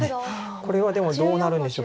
これはでもどうなるんでしょう。